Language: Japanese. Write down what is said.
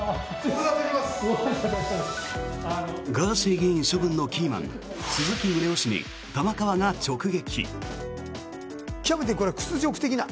ガーシー議員処分のキーマン鈴木宗男氏に玉川が直撃。